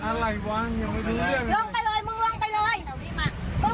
ทำอะไรมันลงไปละมันลงไปเลยมันจ่ายตังค์เนี่ยตรงนี้ส่ายให้